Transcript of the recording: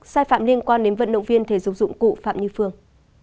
sai phạm liên quan đến vận động viên thể dục dụng cụ phạm như phương